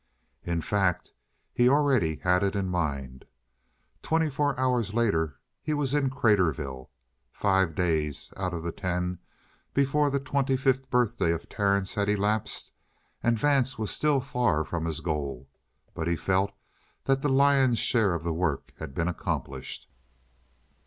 In fact, he already had it in mind. Twenty four hours later he was in Craterville. Five days out of the ten before the twenty fifth birthday of Terence had elapsed, and Vance was still far from his goal, but he felt that the lion's share of the work had been accomplished.